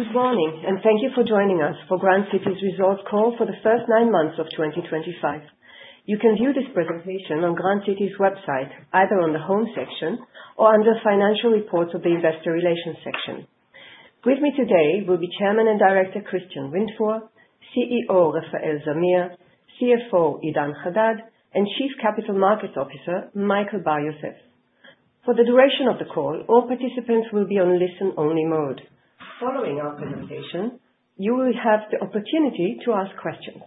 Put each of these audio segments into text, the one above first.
Good morning, and thank you for joining us for Grand City's results call for the first nine months of 2025. You can view this presentation on Grand City's website, either on the home section or under Financial Reports of the Investor Relations section. With me today will be Chairman and Director, Christian Windfuhr, CEO, Refael Zamir, CFO, Idan Hadad, and Chief Capital Markets Officer, Michael Bar-Yosef. For the duration of the call, all participants will be on listen-only mode. Following our presentation, you will have the opportunity to ask questions.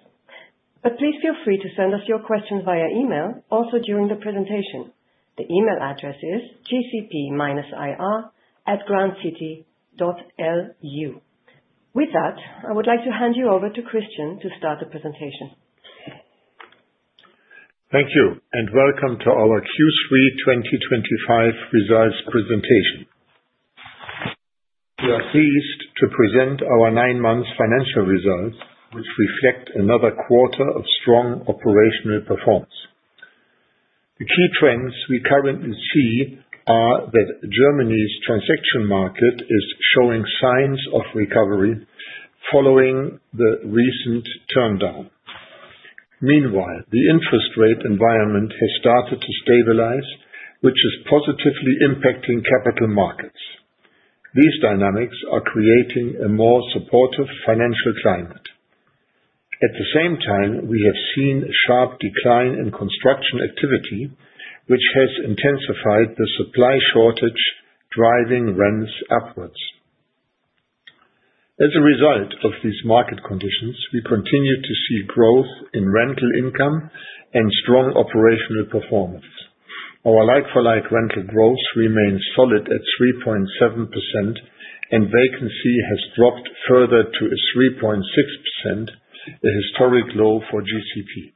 But please feel free to send us your questions via email, also during the presentation. The email address is gcp-ir@grandcity.lu. With that, I would like to hand you over to Christian to start the presentation. Thank you, and welcome to our Q3 2025 results presentation. We are pleased to present our 9 months financial results, which reflect another quarter of strong operational performance. The key trends we currently see are that Germany's transaction market is showing signs of recovery following the recent downturn. Meanwhile, the interest rate environment has started to stabilize, which is positively impacting capital markets. These dynamics are creating a more supportive financial climate. At the same time, we have seen a sharp decline in construction activity, which has intensified the supply shortage, driving rents upwards. As a result of these market conditions, we continue to see growth in rental income and strong operational performance. Our like-for-like rental growth remains solid at 3.7%, and vacancy has dropped further to a 3.6%, a historic low for GCP.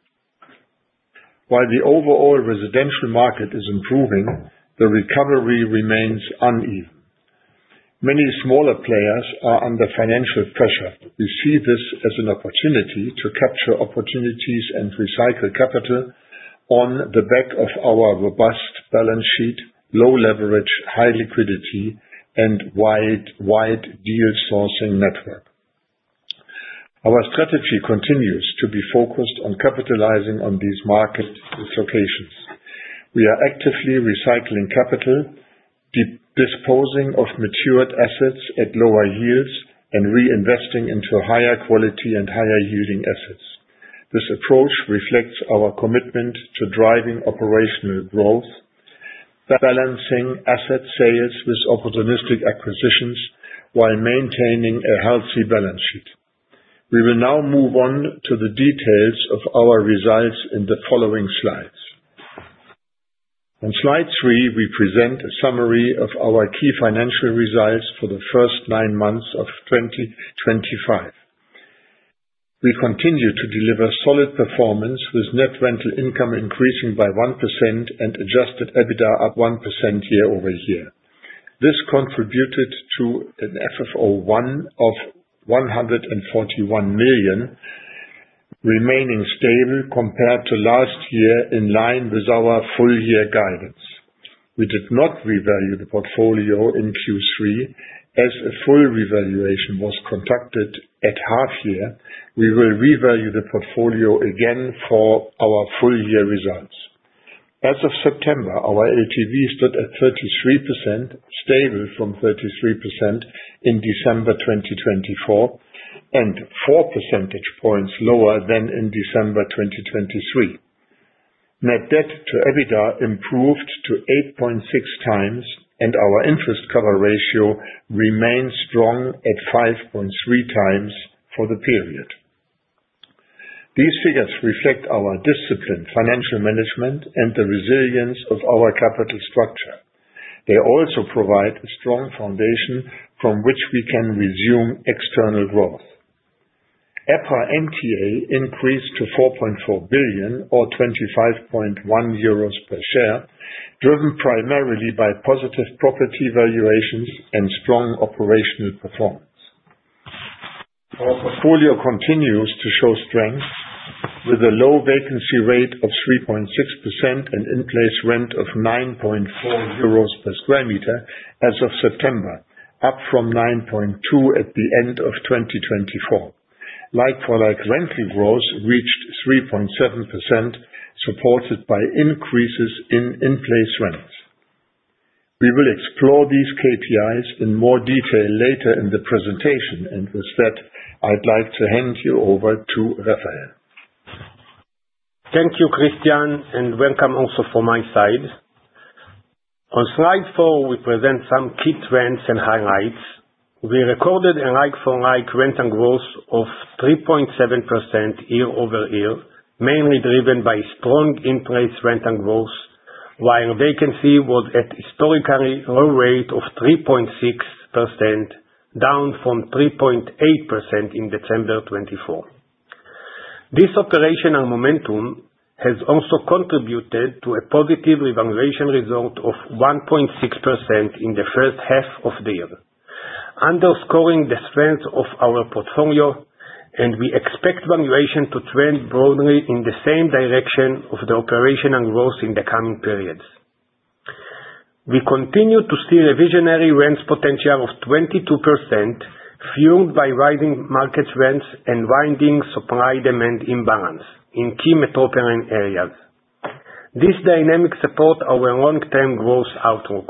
While the overall residential market is improving, the recovery remains uneven. Many smaller players are under financial pressure. We see this as an opportunity to capture opportunities and recycle capital on the back of our robust balance sheet, low leverage, high liquidity, and wide, wide deal sourcing network. Our strategy continues to be focused on capitalizing on these market dislocations. We are actively recycling capital, disposing of matured assets at lower yields, and reinvesting into higher quality and higher yielding assets. This approach reflects our commitment to driving operational growth, balancing asset sales with opportunistic acquisitions while maintaining a healthy balance sheet. We will now move on to the details of our results in the following slides. On slide 3, we present a summary of our key financial results for the first nine months of 2025. We continue to deliver solid performance, with net rental income increasing by 1% and adjusted EBITDA up 1% year-over-year. This contributed to an FFO I of 141 million, remaining stable compared to last year, in line with our full year guidance. We did not revalue the portfolio in Q3. As a full revaluation was conducted at half year, we will revalue the portfolio again for our full year results. As of September, our LTV stood at 33%, stable from 33% in December 2024, and four percentage points lower than in December 2023. Net debt to EBITDA improved to 8.6 times, and our interest cover ratio remains strong at 5.3 times for the period. These figures reflect our disciplined financial management and the resilience of our capital structure. They also provide a strong foundation from which we can resume external growth. EPRA NTA increased to 4.4 billion, or 25.1 euros per share, driven primarily by positive property valuations and strong operational performance. Our portfolio continues to show strength with a low vacancy rate of 3.6% and in-place rent of 9.4 euros per square meter as of September, up from 9.2 at the end of 2024. Like-for-like rental growth reached 3.7%, supported by increases in in-place rents. We will explore these KPIs in more detail later in the presentation, and with that, I'd like to hand you over to Refael. Thank you, Christian, and welcome also from my side. On slide 4, we present some key trends and highlights. We recorded a like-for-like rent and growth of 3.7% year-over-year, mainly driven by strong in-place rent and growth, while vacancy was at historically low rate of 3.6%, down from 3.8% in December 2024. This operational momentum has also contributed to a positive revaluation result of 1.6% in the first half of the year, underscoring the strength of our portfolio, and we expect valuation to trend broadly in the same direction of the operational growth in the coming periods. We continue to see a reversionary rents potential of 22%, fueled by rising market rents and widening supply-demand imbalance in key metropolitan areas. This dynamic support our long-term growth outlook.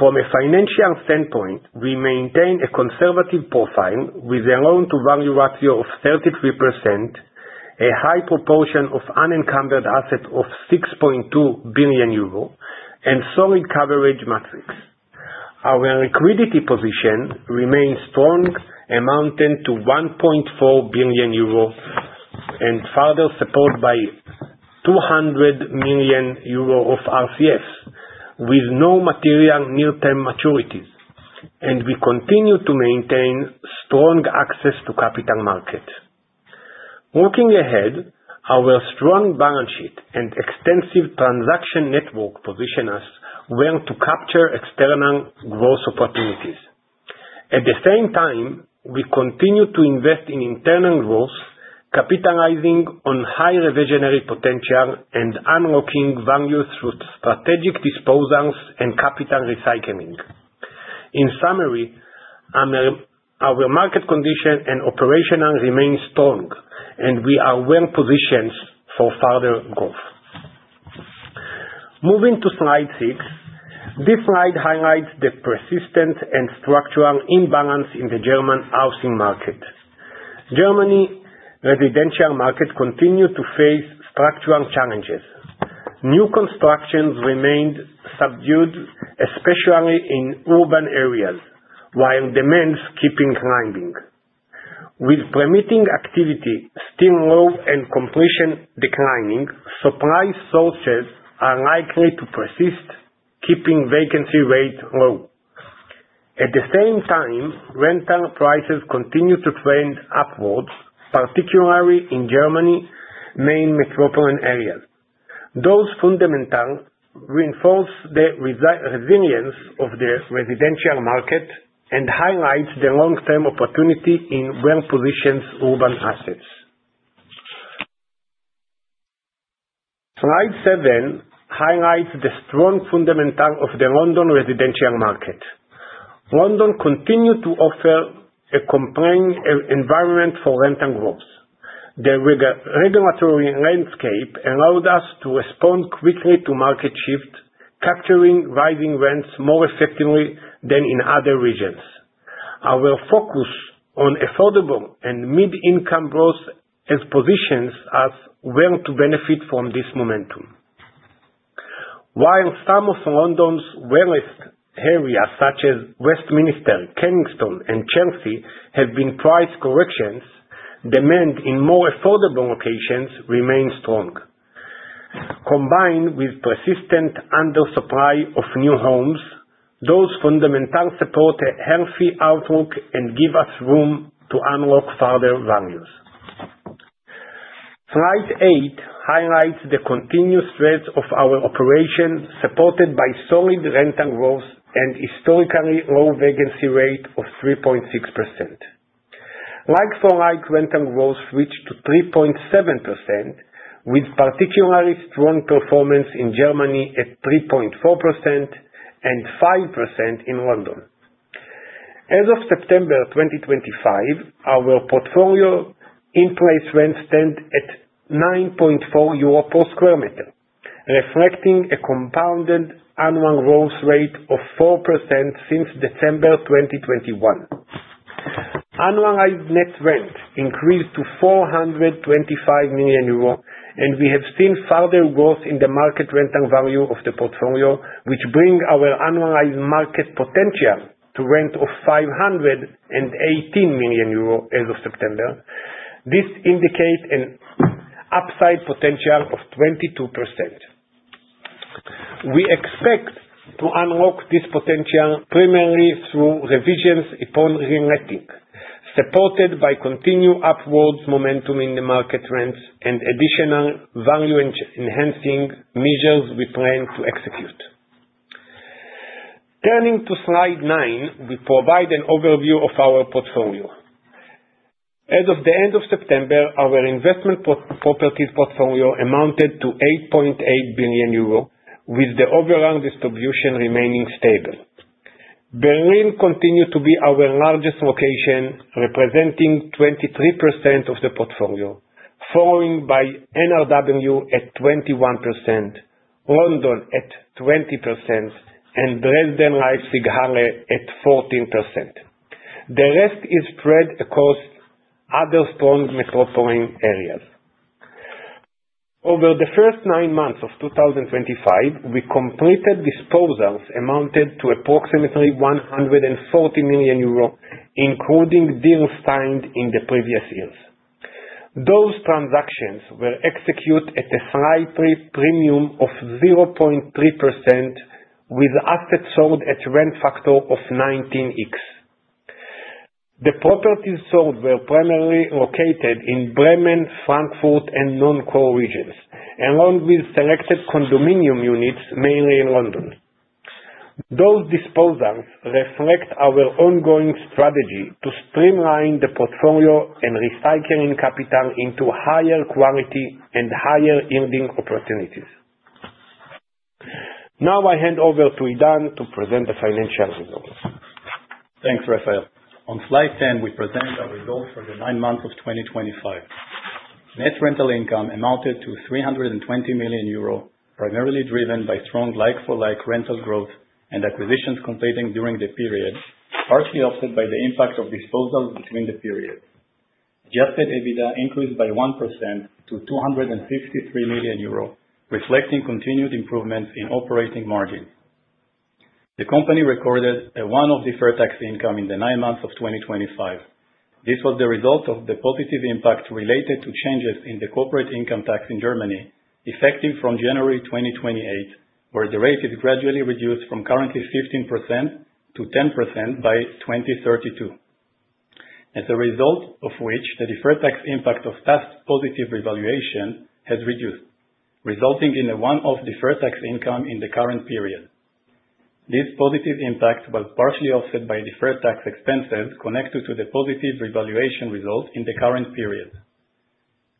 From a financial standpoint, we maintain a conservative profile with a loan-to-value ratio of 33%, a high proportion of unencumbered assets of 6.2 billion euro, and solid coverage metrics. Our liquidity position remains strong, amounting to 1.4 billion euro, and further supported by 200 million euro of RCFs, with no material near-term maturities, and we continue to maintain strong access to capital markets. Looking ahead, our strong balance sheet and extensive transaction network position us well to capture external growth opportunities. At the same time, we continue to invest in internal growth, capitalizing on high reversionary potential and unlocking value through strategic disposals and capital recycling. In summary, our market condition and operational remain strong, and we are well positioned for further growth. Moving to slide 6. This slide highlights the persistent and structural imbalance in the German housing market. German residential market continued to face structural challenges. New constructions remained subdued, especially in urban areas, while demand kept climbing. With permitting activity still low and completions declining, supply shortages are likely to persist, keeping vacancy rates low. At the same time, rental prices continue to trend upwards, particularly in Germany's main metropolitan areas. Those fundamentals reinforce the resilience of the residential market and highlight the long-term opportunity in well-positioned urban assets. Slide 7 highlights the strong fundamentals of the London residential market. London continued to offer a compelling environment for rental growth. The regulatory landscape allowed us to respond quickly to market shift, capturing rising rents more effectively than in other regions. Our focus on affordable and mid-income growth has positioned us well to benefit from this momentum. While some of London's wealthiest areas, such as Westminster, Kensington, and Chelsea, have been price corrections, demand in more affordable locations remains strong. Combined with persistent under-supply of new homes, those fundamentals support a healthy outlook and give us room to unlock further values. Slide 8 highlights the continuous strength of our operation, supported by solid rental growth and historically low vacancy rate of 3.6%. Like-for-like rental growth reached to 3.7%, with particularly strong performance in Germany at 3.4% and 5% in London. As of September 2025, our portfolio in-place rents stand at 9.4 euro per square meter, reflecting a compounded annual growth rate of 4% since December 2021. Annualized net rent increased to 425 million euro, and we have seen further growth in the market rental value of the portfolio, which bring our annualized market potential to rent of 518 million euro as of September. This indicates an upside potential of 22%. We expect to unlock this potential primarily through revisions upon reletting, supported by continued upwards momentum in the market rents and additional value-enhancing measures we plan to execute. Turning to slide 9, we provide an overview of our portfolio. As of the end of September, our investment properties portfolio amounted to 8.8 billion euro, with the overall distribution remaining stable. Berlin continued to be our largest location, representing 23% of the portfolio, followed by NRW at 21%, London at 20%, and Dresden Leipzig Halle at 14%. The rest is spread across other strong metropolitan areas. Over the first nine months of 2025, we completed disposals amounted to approximately 140 million euros, including deals signed in the previous years. Those transactions were executed at a high premium of 0.3%, with assets sold at rent factor of 19x. The properties sold were primarily located in Bremen, Frankfurt, and non-core regions, along with selected condominium units, mainly in London. Those disposals reflect our ongoing strategy to streamline the portfolio and recycling capital into higher quality and higher-yielding opportunities. Now I hand over to Idan to present the financial results. Thanks, Refael. On slide 10, we present our results for the nine months of 2025. Net rental income amounted to 320 million euro, primarily driven by strong like-for-like rental growth and acquisitions completing during the period, partly offset by the impact of disposals between the periods. Adjusted EBITDA increased by 1% to 263 million euro, reflecting continued improvements in operating margins. The company recorded a one-off deferred tax income in the nine months of 2025. This was the result of the positive impact related to changes in the corporate income tax in Germany, effective from January 2028, where the rate is gradually reduced from currently 15% to 10% by 2032. As a result of which, the deferred tax impact of past positive revaluation has reduced, resulting in a one-off deferred tax income in the current period. This positive impact was partially offset by deferred tax expenses connected to the positive revaluation results in the current period.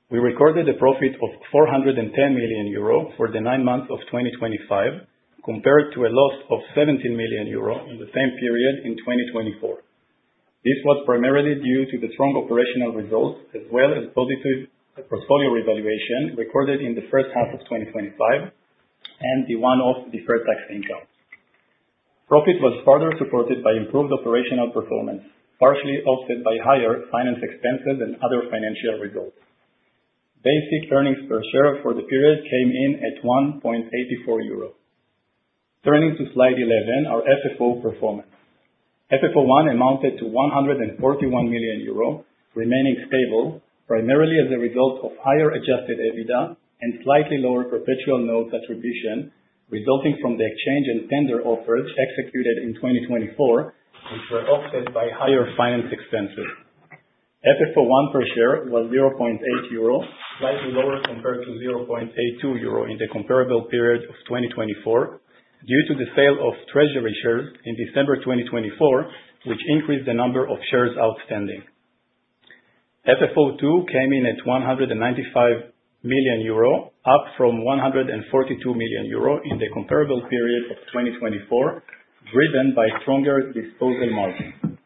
We recorded a profit of 410 million euro for the nine months of 2025, compared to a loss of 17 million euro in the same period in 2024. This was primarily due to the strong operational results, as well as positive portfolio revaluation recorded in the first half of 2025, and the one-off deferred tax income. Profit was further supported by improved operational performance, partially offset by higher finance expenses and other financial results. Basic earnings per share for the period came in at 1.84 euro. Turning to slide 11, our FFO performance. FFO I amounted to 141 million euro, remaining stable primarily as a result of higher adjusted EBITDA and slightly lower perpetual note attribution, resulting from the exchange and tender offers executed in 2024, which were offset by higher finance expenses. FFO I per share was 0.8 euro, slightly lower compared to 0.82 euro in the comparable period of 2024, due to the sale of treasury shares in December 2024, which increased the number of shares outstanding. FFO II came in at 195 million euro, up from 142 million euro in the comparable period of 2024, driven by stronger disposal margin.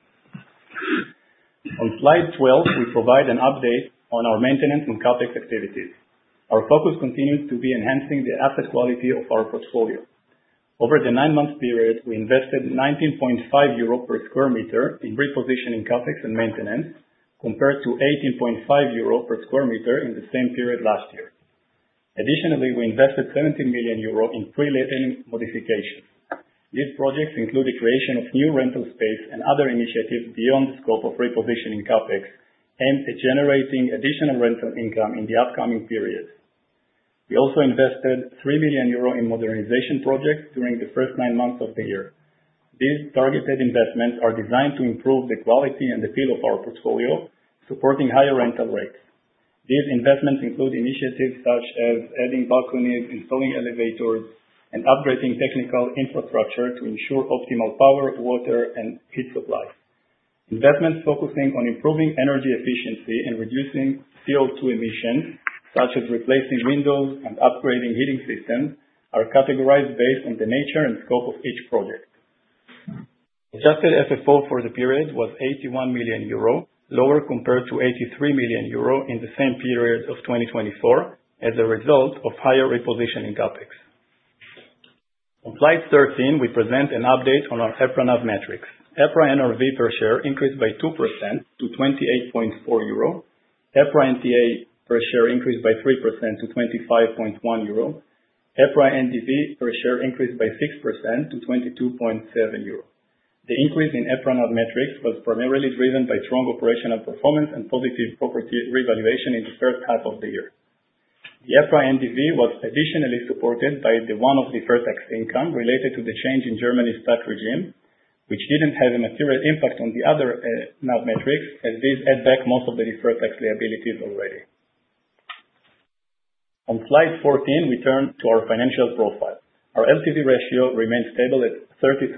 On slide 12, we provide an update on our maintenance and CapEx activities. Our focus continues to be enhancing the asset quality of our portfolio. Over the nine-month period, we invested 19.5 euro per sq m in repositioning CapEx and maintenance, compared to 18.5 euro per sq m in the same period last year. Additionally, we invested 70 million euro in pre-letting modifications. These projects include the creation of new rental space and other initiatives beyond the scope of repositioning CapEx, and generating additional rental income in the upcoming period. We also invested 3 million euro in modernization projects during the first nine months of the year. These targeted investments are designed to improve the quality and appeal of our portfolio, supporting higher rental rates. These investments include initiatives such as adding balconies, installing elevators, and upgrading technical infrastructure to ensure optimal power, water, and heat supply. Investments focusing on improving energy efficiency and reducing CO2 emissions, such as replacing windows and upgrading heating systems, are categorized based on the nature and scope of each project. Adjusted FFO for the period was 81 million euro, lower compared to 83 million euro in the same period of 2024, as a result of higher repositioning CapEx. On slide 13, we present an update on our EPRA NAV metrics. EPRA NAV per share increased by 2% to 28.4 euro. EPRA NTA per share increased by 3% to 25.1 euro. EPRA NDV per share increased by 6% to 22.7 euro. The increase in EPRA NAV metrics was primarily driven by strong operational performance and positive property revaluation in the first half of the year. The EPRA NDV was additionally supported by the one-off deferred tax income related to the change in Germany's tax regime, which didn't have a material impact on the other, NAV metrics, as these add back most of the deferred tax liabilities already. On slide 14, we turn to our financial profile. Our LTV ratio remains stable at 33%,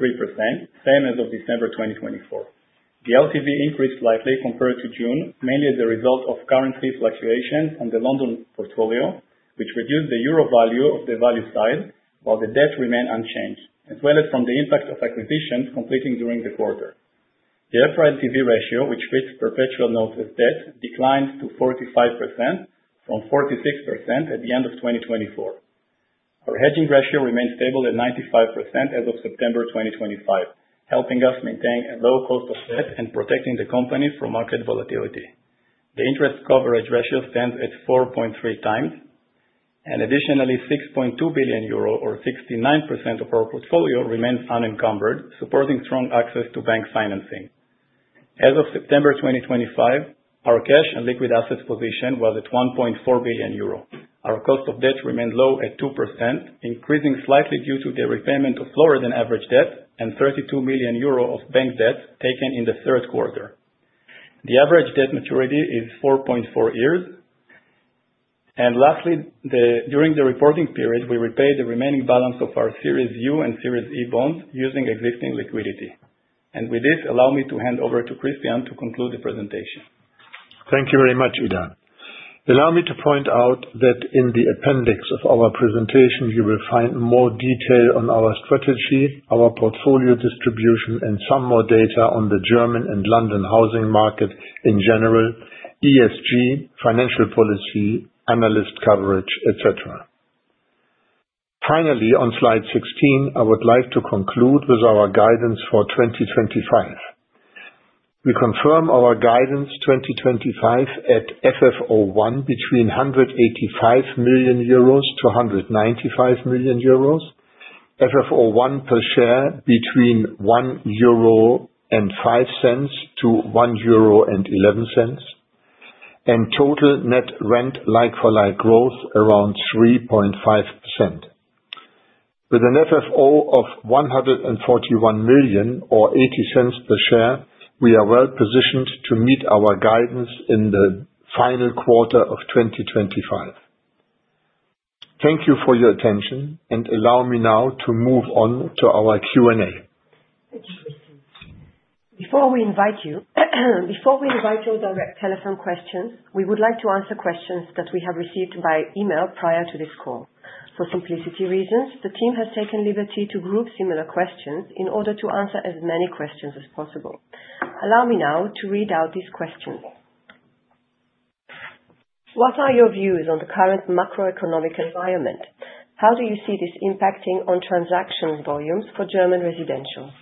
same as of December 2024. The LTV increased slightly compared to June, mainly as a result of currency fluctuations on the London portfolio, which reduced the euro value of the value side, while the debt remained unchanged, as well as from the impact of acquisitions completing during the quarter. The EPRA LTV ratio, which treats perpetual notes as debt, declined to 45% from 46% at the end of 2024. Our hedging ratio remains stable at 95% as of September 2025, helping us maintain a low cost of debt and protecting the company from market volatility. The interest coverage ratio stands at 4.3 times, and additionally, 6.2 billion euro or 69% of our portfolio remains unencumbered, supporting strong access to bank financing. As of September 2025, our cash and liquid assets position was at 1.4 billion euro. Our cost of debt remained low at 2%, increasing slightly due to the repayment of lower than average debt and 32 million euro of bank debt taken in the third quarter. The average debt maturity is 4.4 years. And lastly, during the reporting period, we repaid the remaining balance of our Series U and Series E bonds using existing liquidity. With this, allow me to hand over to Christian to conclude the presentation. Thank you very much, Idan. Allow me to point out that in the appendix of our presentation, you will find more detail on our strategy, our portfolio distribution, and some more data on the German and London housing market in general, ESG, financial policy, analyst coverage, et cetera. Finally, on slide 16, I would like to conclude with our guidance for 2025. We confirm our guidance 2025 at FFO one between 185 million-195 million euros. FFO I per share between 1.05-1.11 euro, and total net rent like-for-like growth around 3.5%. With an FFO of 141 million or 0.80 per share, we are well positioned to meet our guidance in the final quarter of 2025. Thank you for your attention, and allow me now to move on to our Q&A. Thank you, Christian. Before we invite you, before we invite your direct telephone questions, we would like to answer questions that we have received by email prior to this call. For simplicity reasons, the team has taken liberty to group similar questions in order to answer as many questions as possible. Allow me now to read out these questions. What are your views on the current macroeconomic environment? How do you see this impacting on transaction volumes for German residential?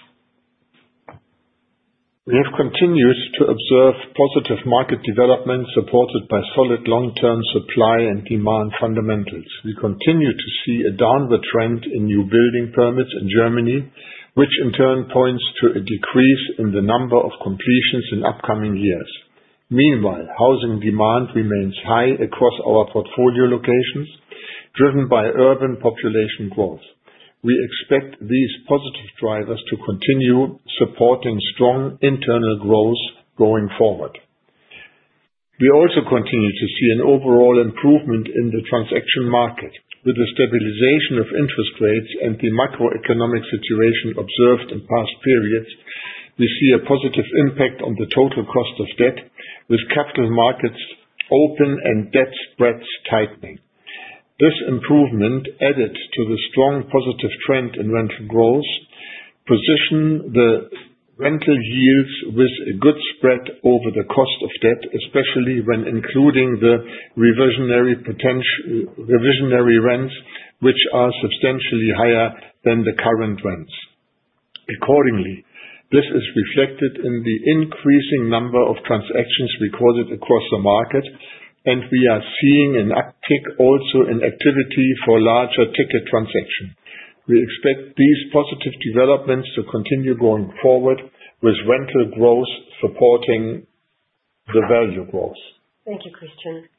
We have continued to observe positive market development, supported by solid long-term supply and demand fundamentals. We continue to see a downward trend in new building permits in Germany, which in turn points to a decrease in the number of completions in upcoming years. Meanwhile, housing demand remains high across our portfolio locations, driven by urban population growth. We expect these positive drivers to continue supporting strong internal growth going forward. We also continue to see an overall improvement in the transaction market. With the stabilization of interest rates and the macroeconomic situation observed in past periods, we see a positive impact on the total cost of debt, with capital markets open and debt spreads tightening. This improvement added to the strong positive trend in rental growth, positions the rental yields with a good spread over the cost of debt, especially when including the reversionary rents, which are substantially higher than the current rents. Accordingly, this is reflected in the increasing number of transactions we recorded across the market, and we are seeing an uptick also in activity for larger ticket transactions. We expect these positive developments to continue going forward, with rental growth supporting the value growth. Thank you, Christian.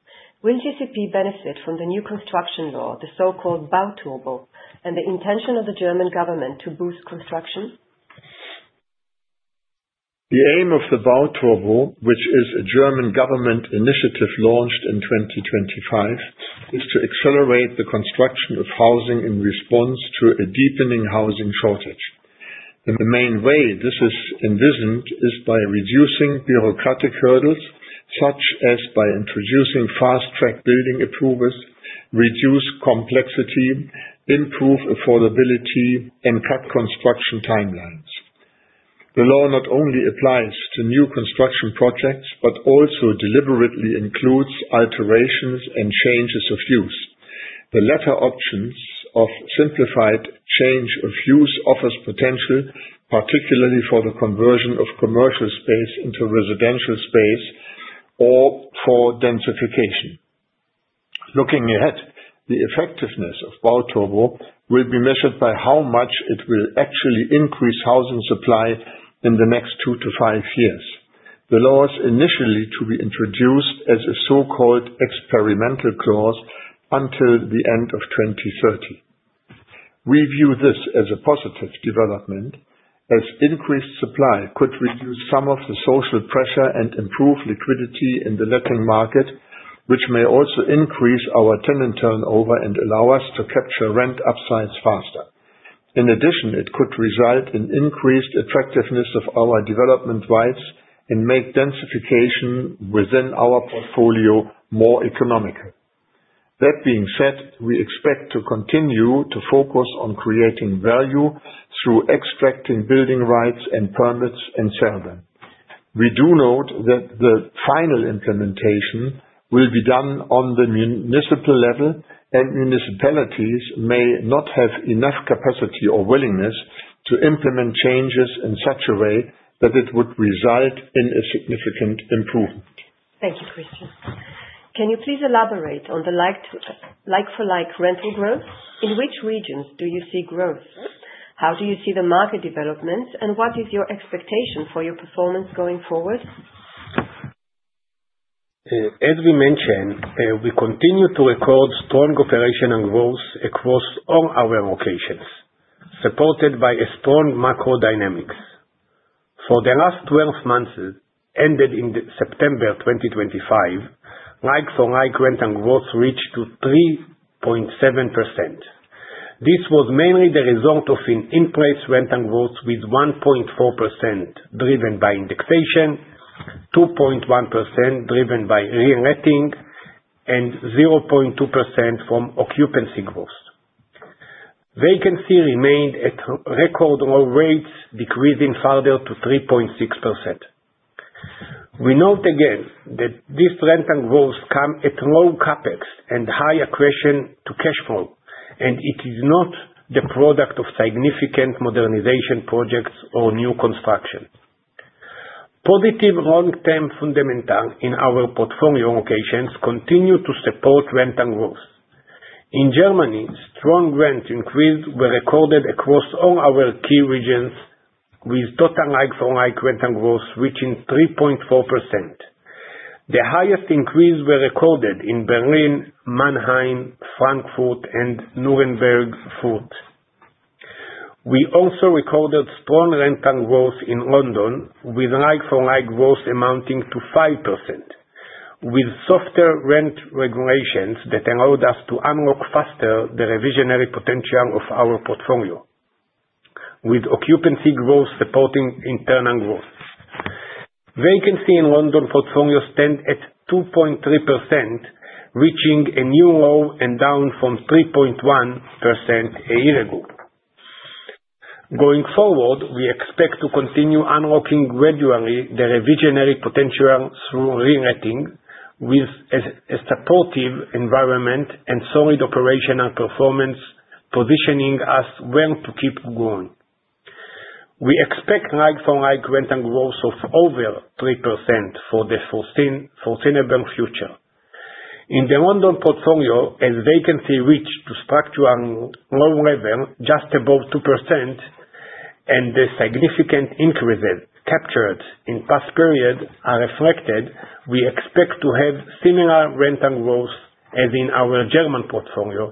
Will GCP benefit from the new construction law, the so-called Bauturbo, and the intention of the German government to boost construction? The aim of the Bauturbo, which is a German government initiative launched in 2025, is to accelerate the construction of housing in response to a deepening housing shortage. The main way this is envisioned is by reducing bureaucratic hurdles, such as by introducing fast-track building approvals, reduce complexity, improve affordability, and cut construction timelines. The law not only applies to new construction projects, but also deliberately includes alterations and changes of use. The latter options of simplified change of use offers potential, particularly for the conversion of commercial space into residential space or for densification. Looking ahead, the effectiveness of Bauturbo will be measured by how much it will actually increase housing supply in the next 2-5 years. The law is initially to be introduced as a so-called experimental clause until the end of 2030. We view this as a positive development, as increased supply could reduce some of the social pressure and improve liquidity in the letting market, which may also increase our tenant turnover and allow us to capture rent upsides faster. In addition, it could result in increased attractiveness of our development rights and make densification within our portfolio more economical. That being said, we expect to continue to focus on creating value through extracting building rights and permits, and sell them. We do note that the final implementation will be done on the municipal level, and municipalities may not have enough capacity or willingness to implement changes in such a way that it would result in a significant improvement. Thank you, Christian. Can you please elaborate on the like-for-like rental growth? In which regions do you see growth? How do you see the market developments, and what is your expectation for your performance going forward? As we mentioned, we continue to record strong operational growth across all our locations, supported by a strong macro dynamics. For the last 12 months ended in September 2025, like-for-like rent and growth reached 3.7%. This was mainly the result of an in-place rent and growth, with 1.4% driven by indexation, 2.1% driven by reletting, and 0.2% from occupancy growth. Vacancy remained at record low rates, decreasing further to 3.6%. We note again, that this rent and growth come at low CapEx and high accretion to cash flow, and it is not the product of significant modernization projects or new construction. Positive long-term fundamentals in our portfolio locations continue to support rent and growth. In Germany, strong rent increases were recorded across all our key regions, with total like-for-like rent and growth reaching 3.4%. The highest increases were recorded in Berlin, Mannheim, Frankfurt, and Nuremberg, Fürth. We also recorded strong rent and growth in London, with like-for-like growth amounting to 5%, with softer rent regulations that allowed us to unlock faster the reversionary potential of our portfolio, with occupancy growth supporting internal growth. Vacancy in London portfolio stand at 2.3%, reaching a new low and down from 3.1% a year ago. Going forward, we expect to continue unlocking gradually the reversionary potential through reletting, with a supportive environment and solid operational performance, positioning us well to keep growing. We expect like-for-like rent and growth of over 3% for the foreseeable future. In the London portfolio, as vacancy reach to structural low level just above 2%, and the significant increases captured in past period are reflected, we expect to have similar rent and growth as in our German portfolio,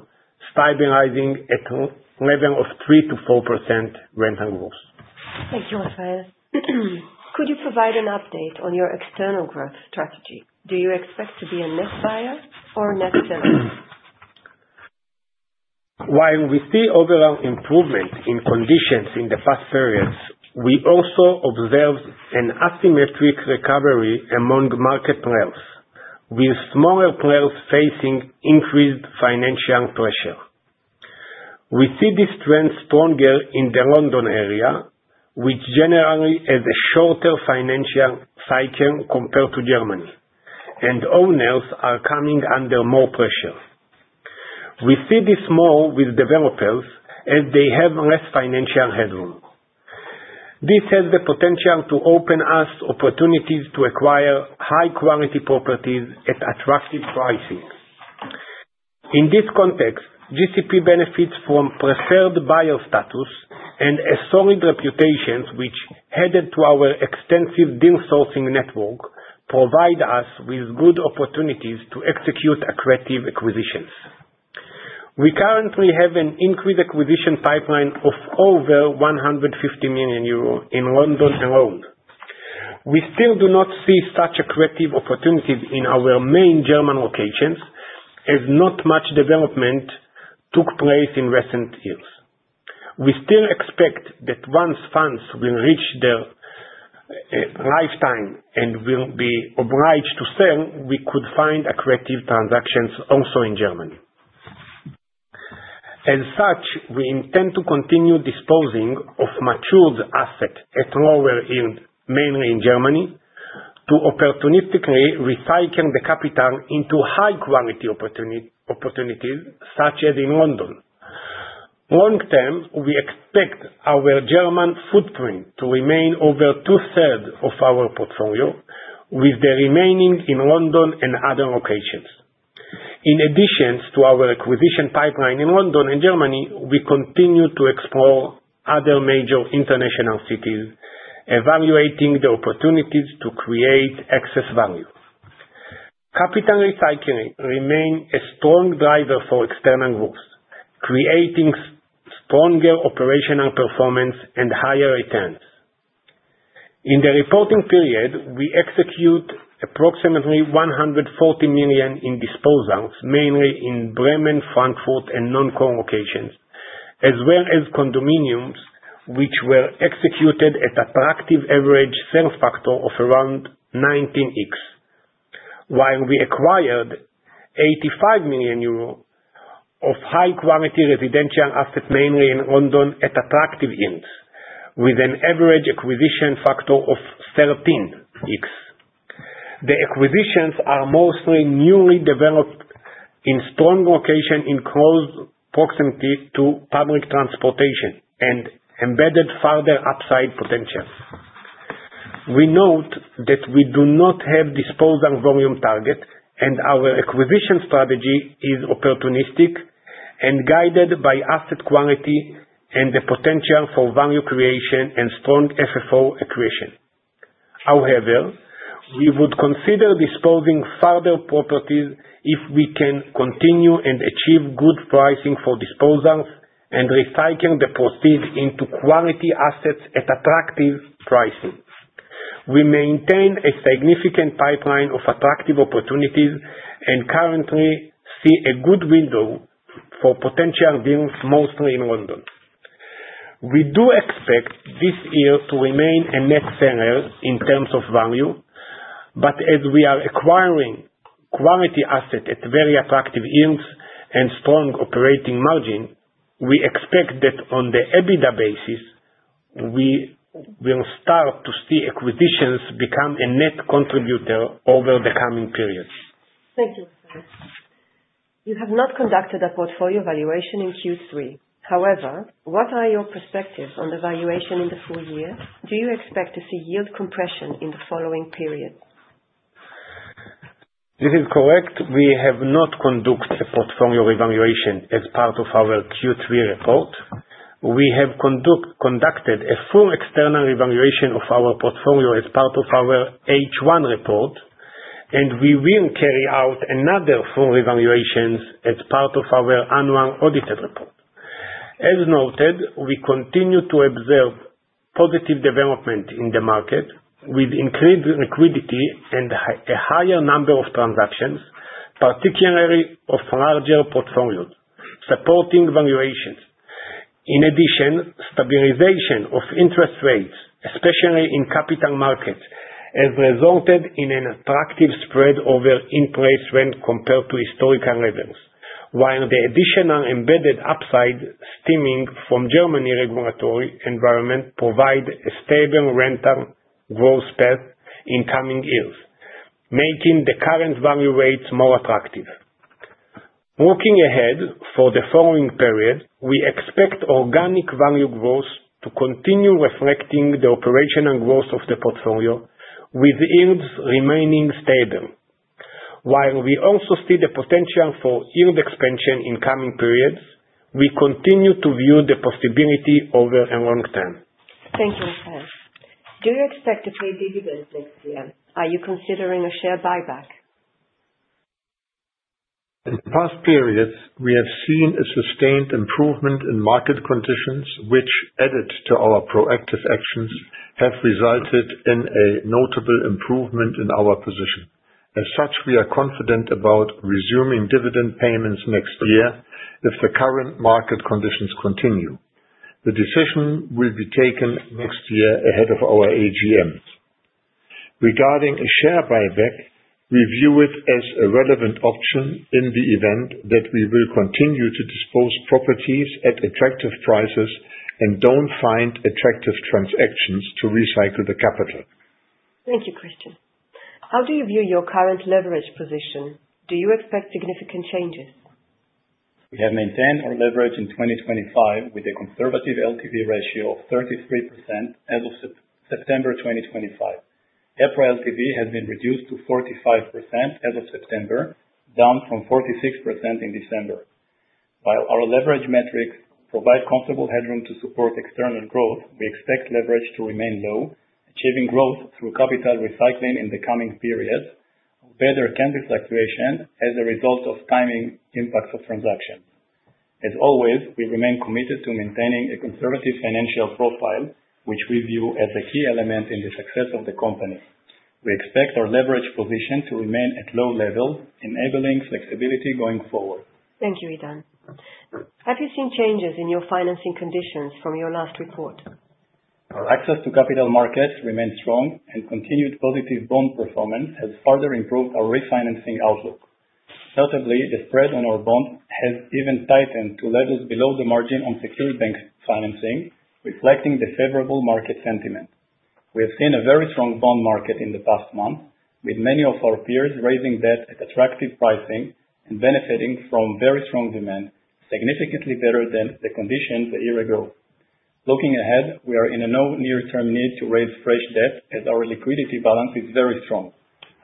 stabilizing at a level of 3%-4% rent and growth. Thank you, Refael. Could you provide an update on your external growth strategy? Do you expect to be a net buyer or a net seller? While we see overall improvement in conditions in the past periods, we also observed an asymmetric recovery among market players, with smaller players facing increased financial pressure. We see this trend stronger in the London area, which generally has a shorter financial cycle compared to Germany, and owners are coming under more pressure. We see this more with developers, as they have less financial headroom. This has the potential to open us opportunities to acquire high quality properties at attractive pricing. In this context, GCP benefits from preferred buyer status and a solid reputation, which, added to our extensive deal sourcing network, provide us with good opportunities to execute accretive acquisitions. We currently have an increased acquisition pipeline of over 150 million euro in London alone. We still do not see such accretive opportunities in our main German locations, as not much development took place in recent years. We still expect that once funds will reach their lifetime and will be obliged to sell, we could find accretive transactions also in Germany. As such, we intend to continue disposing of matured assets at lower in, mainly in Germany, to opportunistically recycle the capital into high quality opportunities, such as in London. Long term, we expect our German footprint to remain over two-thirds of our portfolio, with the remaining in London and other locations. In addition to our acquisition pipeline in London and Germany, we continue to explore other major international cities, evaluating the opportunities to create excess value. Capital recycling remain a strong driver for external growth, creating stronger operational performance and higher returns. In the reporting period, we execute approximately 140 million in disposals, mainly in Bremen, Frankfurt, and non-core locations, as well as condominiums, which were executed at attractive average sales factor of around 19x. While we acquired 85 million euro of high-quality residential assets, mainly in London, at attractive yields, with an average acquisition factor of 13x. The acquisitions are mostly newly developed, in strong location, in close proximity to public transportation, and embedded further upside potential. We note that we do not have disposal volume target, and our acquisition strategy is opportunistic and guided by asset quality and the potential for value creation and strong FFO accretion. However, we would consider disposing further properties if we can continue and achieve good pricing for disposals, and recycling the proceeds into quality assets at attractive pricing. We maintain a significant pipeline of attractive opportunities, and currently see a good window for potential deals, mostly in London. We do expect this year to remain a net seller in terms of value, but as we are acquiring quality asset at very attractive yields and strong operating margin, we expect that on the EBITDA basis, we will start to see acquisitions become a net contributor over the coming periods. Thank you. You have not conducted a portfolio valuation in Q3. However, what are your perspectives on the valuation in the full year? Do you expect to see yield compression in the following period? This is correct. We have not conducted a portfolio evaluation as part of our Q3 report. We have conducted a full external evaluation of our portfolio as part of our H1 report, and we will carry out another full evaluation as part of our annual audited report. As noted, we continue to observe positive development in the market, with increased liquidity and a higher number of transactions, particularly of larger portfolios, supporting valuations. In addition, stabilization of interest rates, especially in capital markets, has resulted in an attractive spread over in-place rent compared to historical levels. While the additional embedded upside stemming from German regulatory environment provide a stable rental growth path in coming years, making the current value rates more attractive. Looking ahead for the following period, we expect organic value growth to continue reflecting the operational growth of the portfolio, with yields remaining stable. While we also see the potential for yield expansion in coming periods, we continue to view the possibility over a long term. Thank you, Rafael. Do you expect to pay dividends next year? Are you considering a share buyback? In past periods, we have seen a sustained improvement in market conditions, which added to our proactive actions, have resulted in a notable improvement in our position. As such, we are confident about resuming dividend payments next year, if the current market conditions continue. The decision will be taken next year ahead of our AGMs. Regarding a share buyback, we view it as a relevant option in the event that we will continue to dispose properties at attractive prices and don't find attractive transactions to recycle the capital. Thank you, Christian. How do you view your current leverage position? Do you expect significant changes? We have maintained our leverage in 2025 with a conservative LTV ratio of 33% as of September 2025. EPRA LTV has been reduced to 45% as of September, down from 46% in December. While our leverage metrics provide comfortable headroom to support external growth, we expect leverage to remain low, achieving growth through capital recycling in the coming periods. Better tender fluctuation as a result of timing impacts of transactions. As always, we remain committed to maintaining a conservative financial profile, which we view as a key element in the success of the company. We expect our leverage position to remain at low level, enabling flexibility going forward. Thank you, Idan. Have you seen changes in your financing conditions from your last report? Our access to capital markets remains strong, and continued positive bond performance has further improved our refinancing outlook. Notably, the spread on our bonds has even tightened to levels below the margin on secured bank financing, reflecting the favorable market sentiment. We have seen a very strong bond market in the past month, with many of our peers raising debt at attractive pricing and benefiting from very strong demand, significantly better than the conditions a year ago. Looking ahead, we are in no near-term need to raise fresh debt, as our liquidity balance is very strong.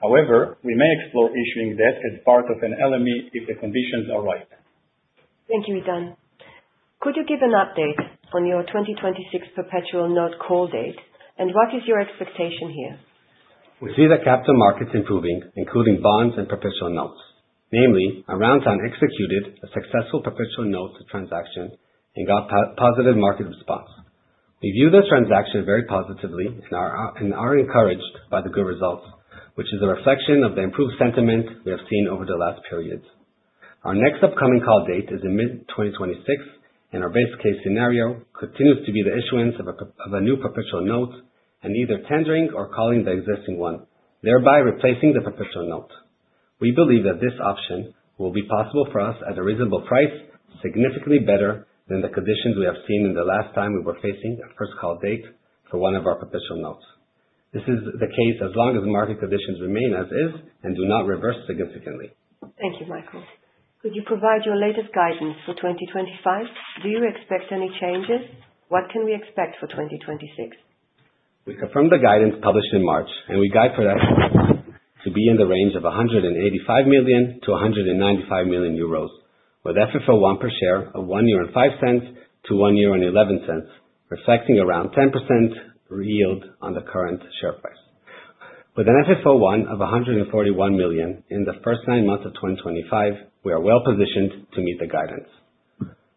However, we may explore issuing debt as part of an LME if the conditions are right. Thank you, Idan. Could you give an update on your 2026 perpetual note call date, and what is your expectation here? We see the capital markets improving, including bonds and perpetual notes. Namely, around that time we executed a successful perpetual note transaction and got positive market response. We view this transaction very positively and are encouraged by the good results, which is a reflection of the improved sentiment we have seen over the last periods. Our next upcoming call date is in mid-2026, and our base case scenario continues to be the issuance of a new perpetual note and either tendering or calling the existing one, thereby replacing the perpetual note. We believe that this option will be possible for us at a reasonable price, significantly better than the conditions we have seen in the last time we were facing a first call date for one of our perpetual notes. This is the case as long as market conditions remain as is and do not reverse significantly. Thank you, Michael. Could you provide your latest guidance for 2025? Do you expect any changes? What can we expect for 2026? We confirm the guidance published in March, and we guide for that to be in the range of 185 million-195 million euros. With FFO one per share of 1.05-1.11 euro, reflecting around 10% yield on the current share price. With an FFO one of 141 million in the first nine months of 2025, we are well positioned to meet the guidance.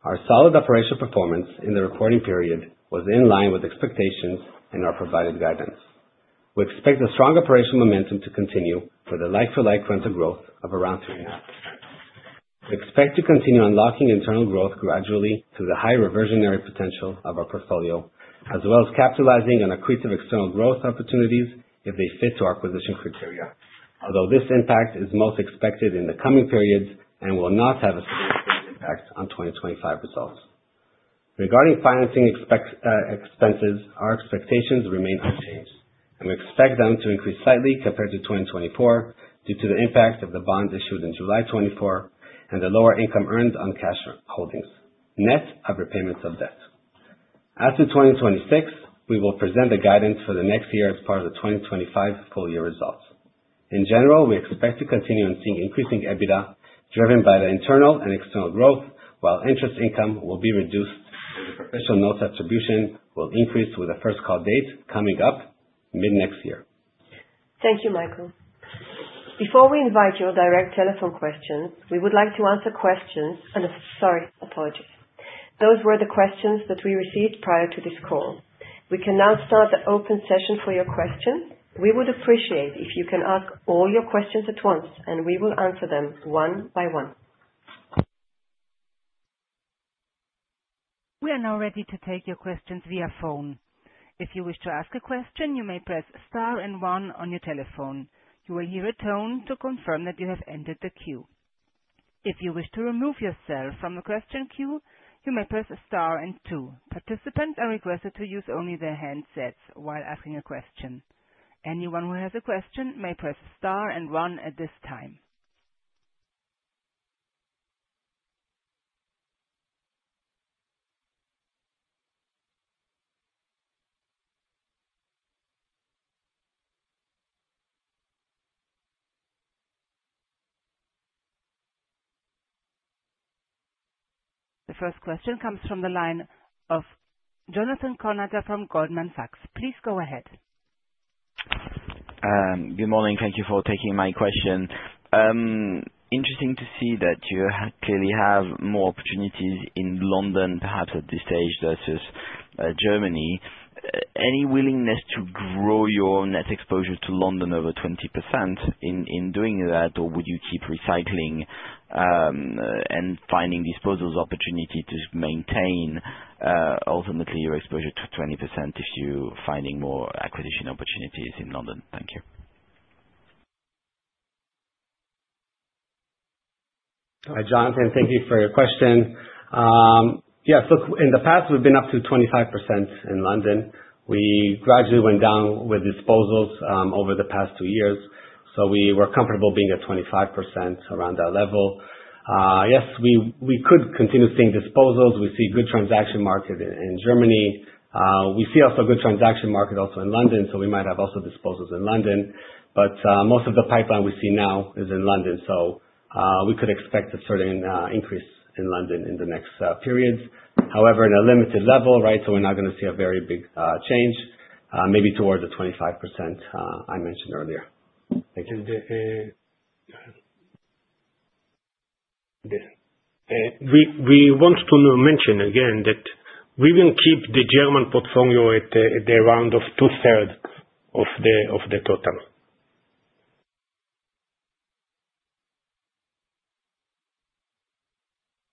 Our solid operational performance in the reporting period was in line with expectations and our provided guidance. We expect the strong operational momentum to continue for the like-for-like rental growth of around 3.5%. We expect to continue unlocking internal growth gradually through the high reversionary potential of our portfolio, as well as capitalizing on accretive external growth opportunities if they fit to our acquisition criteria. Although this impact is most expected in the coming periods and will not have a significant impact on 2025 results. Regarding financing expenses, our expectations remain unchanged, and we expect them to increase slightly compared to 2024, due to the impact of the bonds issued in July 2024 and the lower income earned on cash holdings, net of repayments of debt. As to 2026, we will present a guidance for the next year as part of the 2025 full year results. In general, we expect to continue on seeing increasing EBITDA, driven by the internal and external growth, while interest income will be reduced, special notes attribution will increase with the first call date coming up mid-next year. Thank you, Michael. Before we invite your direct telephone questions, we would like to answer questions and, sorry, apologies. Those were the questions that we received prior to this call. We can now start the open session for your questions. We would appreciate if you can ask all your questions at once, and we will answer them one by one. We are now ready to take your questions via phone. If you wish to ask a question, you may press star and one on your telephone. You will hear a tone to confirm that you have entered the queue. If you wish to remove yourself from the question queue, you may press star and two. Participants are requested to use only their handsets while asking a question. Anyone who has a question may press star and one at this time. The first question comes from the line of Jonathan Kownator from Goldman Sachs. Please go ahead. Good morning. Thank you for taking my question. Interesting to see that you clearly have more opportunities in London, perhaps at this stage, versus Germany. Any willingness to grow your net exposure to London over 20% in doing that? Or would you keep recycling and finding disposals opportunity to maintain ultimately your exposure to 20% if you finding more acquisition opportunities in London? Thank you. Hi, Jonathan. Thank you for your question. Yeah, so in the past, we've been up to 25% in London. We gradually went down with disposals over the past two years, so we were comfortable being at 25%, around that level. Yes, we could continue seeing disposals. We see good transaction market in Germany. We see also good transaction market also in London, so we might have also disposals in London, but most of the pipeline we see now is in London, so we could expect a certain increase in London in the next periods. However, in a limited level, right? So we're not going to see a very big change, maybe towards the 25% I mentioned earlier. Thank you. We want to mention again that we will keep the German portfolio at around two-thirds of the total.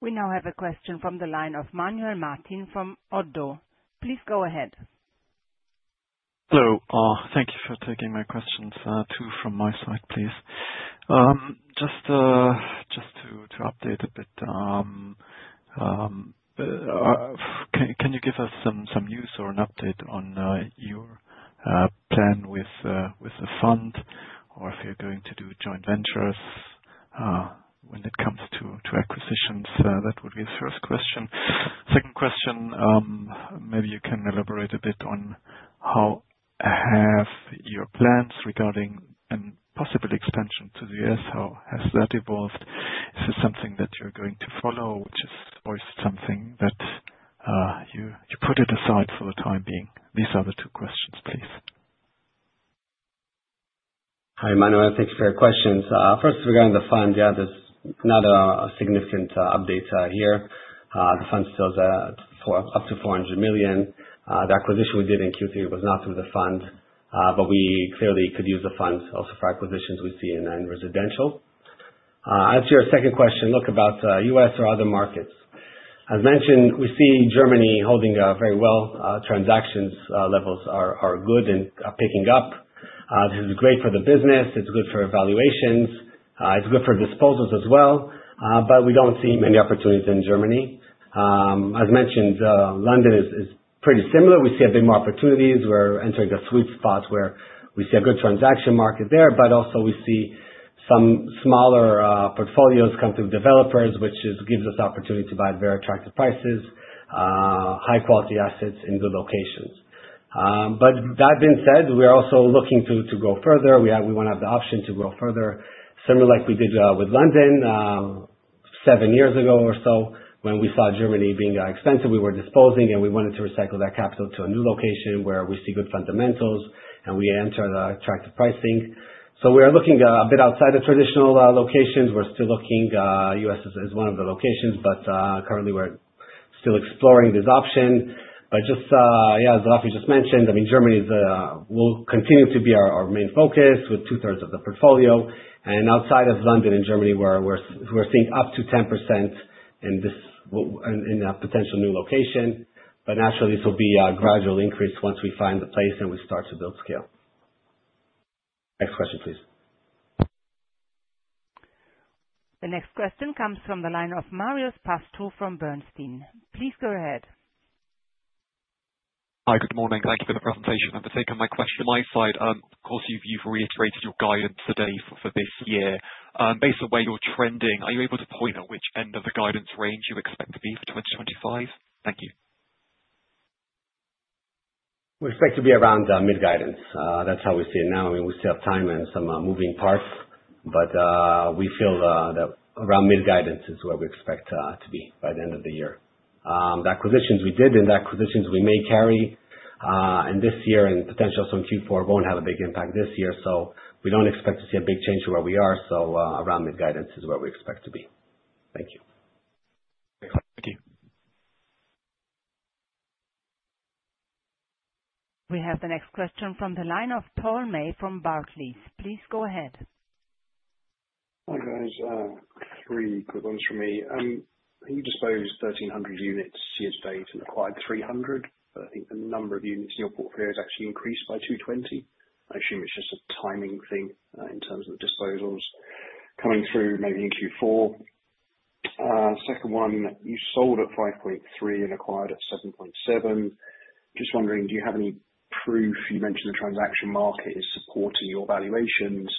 We now have a question from the line of Manuel Martin from Oddo. Please go ahead. So, thank you for taking my questions, 2 from my side, please. Just to update a bit, can you give us some news or an update on your plan with the fund, or if you're going to do joint ventures when it comes to acquisitions? That would be the first question. Second question, maybe you can elaborate a bit on how have your plans regarding an possible expansion to the US, how has that evolved? Is this something that you're going to follow, which is always something that you put it aside for the time being? These are the 2 questions, please. Hi, Manuel. Thank you for your questions. First, regarding the fund, yeah, there's not a significant update here. The fund still is at up to 400 million. The acquisition we did in Q3 was not through the fund, but we clearly could use the funds also for acquisitions we see in non-residential. As to your second question, look, about US or other markets. As mentioned, we see Germany holding up very well. Transaction levels are good and are picking up. This is great for the business, it's good for valuations, it's good for disposals as well, but we don't see many opportunities in Germany. As mentioned, London is pretty similar. We see a bit more opportunities. We're entering the sweet spot where we see a good transaction market there, but also we see some smaller portfolios come through developers, which gives us the opportunity to buy at very attractive prices, high quality assets in good locations. But that being said, we are also looking to go further. We want to have the option to grow further, similar like we did with London seven years ago or so, when we saw Germany being expensive, we were disposing, and we wanted to recycle that capital to a new location where we see good fundamentals, and we enter the attractive pricing. So we are looking a bit outside the traditional locations. We're still looking US as one of the locations, but currently we're still exploring this option. But just.. Yeah, as Rafi just mentioned, I mean, Germany is will continue to be our main focus with two-thirds of the portfolio. And outside of London and Germany, we're seeing up to 10% in a potential new location. But naturally, this will be a gradual increase once we find the place and we start to build scale. Next question, please. The next question comes from the line of Marius Pasto from Bernstein. Please go ahead. Hi, good morning. Thank you for the presentation. And to take on my question, my side, of course, you've reiterated your guidance today for this year. Based on where you're trending, are you able to point at which end of the guidance range you expect to be for 2025? Thank you. We expect to be around mid-guidance. That's how we see it now, and we still have time and some moving parts, but we feel that around mid-guidance is where we expect to be by the end of the year. The acquisitions we did, and the acquisitions we may carry in this year and potential some Q4, won't have a big impact this year, so we don't expect to see a big change to where we are. So, around mid-guidance is where we expect to be. Thank you. Thank you. We have the next question from the line of Paul May from Barclays. Please go ahead. Hi, guys, three quick ones from me. You disposed 1,300 units year to date and acquired 300, but I think the number of units in your portfolio has actually increased by 220. I assume it's just a timing thing, in terms of disposals coming through, maybe in Q4. Second one, you sold at 5.3 and acquired at 7.7. Just wondering, do you have any proof? You mentioned the transaction market is supporting your valuations.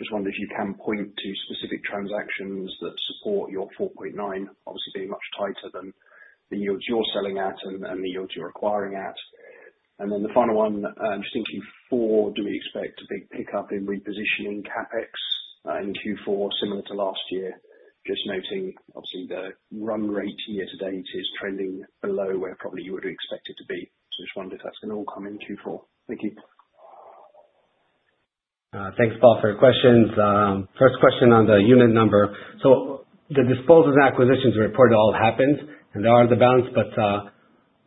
Just wonder if you can point to specific transactions that support your 4.9, obviously being much tighter than the yields you're selling at and the yields you're acquiring at. And then the final one, just in Q4, do we expect a big pickup in Repositioning CapEx in Q4, similar to last year? Just noting, obviously, the run rate year to date is trending below where probably you would expect it to be. So just wonder if that's going to all come in Q4. Thank you. Thanks, Paul, for your questions. First question on the unit number. So the disposals and acquisitions we reported all happened, and they are on the balance, but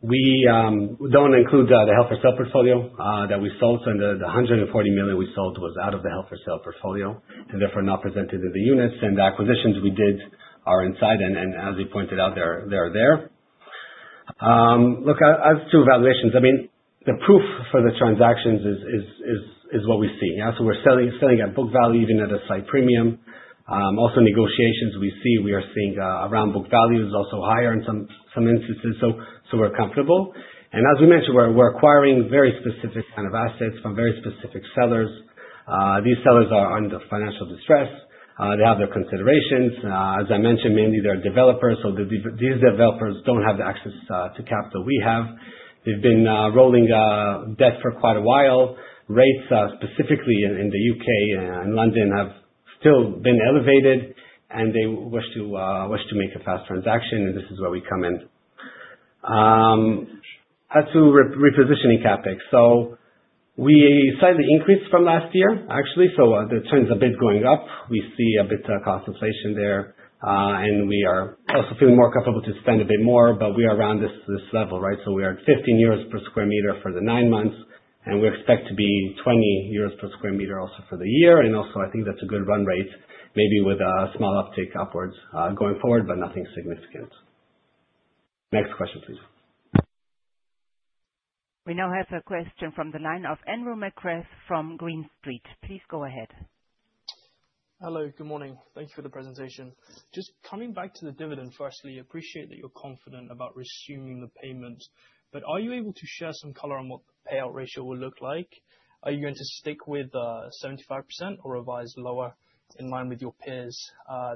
we don't include the held for sale portfolio that we sold. So the 140 million we sold was out of the held for sale portfolio, and therefore not presented in the units, and the acquisitions we did are inside, and as you pointed out, they're there. Look, as to valuations, I mean, the proof for the transactions is what we see. Yeah, so we're selling at book value, even at a slight premium. Also, negotiations we see, we are seeing around book value is also higher in some instances, so we're comfortable. As we mentioned, we're, we're acquiring very specific kind of assets from very specific sellers. These sellers are under financial distress. They have their considerations. As I mentioned, mainly they're developers, so these developers don't have the access to capital we have. They've been rolling debt for quite a while. Rates specifically in the UK and London have still been elevated, and they wish to make a fast transaction, and this is where we come in. As to repositioning CapEx. So we slightly increased from last year, actually, so the trend is a bit going up. We see a bit of concentration there, and we are also feeling more comfortable to spend a bit more, but we are around this level, right? We are at 15 euros per sq m for the 9 months, and we expect to be 20 euros per sq m also for the year. I think that's a good run rate, maybe with a small uptick upwards, going forward, but nothing significant. Next question, please. We now have a question from the line of Andrew McGrath from Green Street. Please go ahead. Hello, good morning. Thank you for the presentation. Just coming back to the dividend, firstly, appreciate that you're confident about resuming the payments, but are you able to share some color on what the payout ratio will look like? Are you going to stick with 75% or revised lower in line with your peers?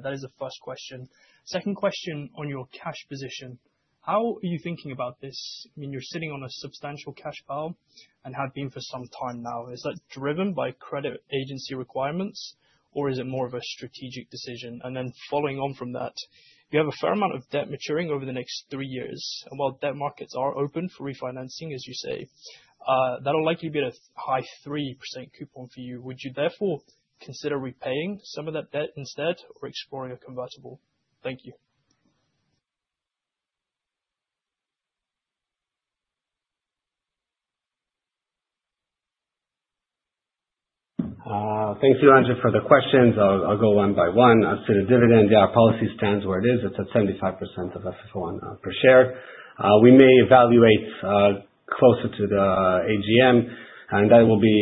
That is the first question. Second question on your cash position. How are you thinking about this? I mean, you're sitting on a substantial cash pile and have been for some time now. Is that driven by credit agency requirements, or is it more of a strategic decision? And then following on from that, you have a fair amount of debt maturing over the next 3 years, and while debt markets are open for refinancing, as you say, that'll likely be a high 3% coupon for you. Would you therefore consider repaying some of that debt instead or exploring a convertible? Thank you. Thank you, Andrew, for the questions. I'll go one by one. As to the dividend, yeah, our policy stands where it is. It's at 75% of FFO per share. We may evaluate closer to the AGM, and that will be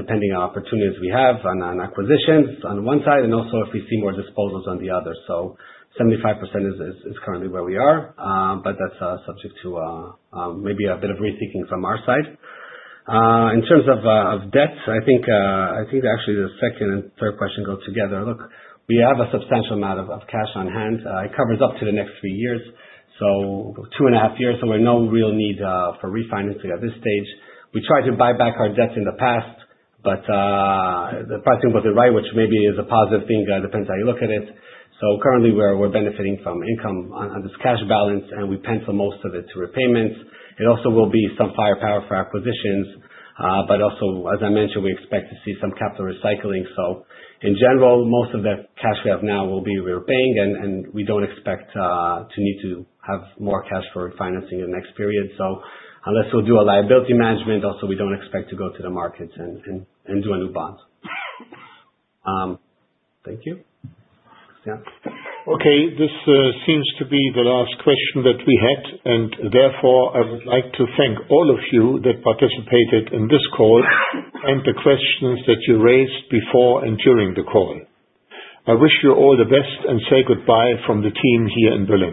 depending on opportunities we have on acquisitions on one side, and also if we see more disposals on the other. So 75% is currently where we are, but that's subject to maybe a bit of rethinking from our side. In terms of debt, I think actually the second and third question go together. Look, we have a substantial amount of cash on hand. It covers up to the next three years, so two and a half years, so we've no real need for refinancing at this stage. We tried to buy back our debts in the past, but the pricing wasn't right, which maybe is a positive thing, depends how you look at it. So currently, we're benefiting from income on this cash balance, and we pencil most of it to repayments. It also will be some firepower for acquisitions, but also, as I mentioned, we expect to see some capital recycling. So in general, most of the cash we have now will be repaying, and we don't expect to need to have more cash for financing in the next period. So unless we'll do a liability management, also, we don't expect to go to the markets and do a new bond. Thank you. Yeah. Okay, this seems to be the last question that we had, and therefore, I would like to thank all of you that participated in this call, and the questions that you raised before and during the call. I wish you all the best and say goodbye from the team here in Berlin.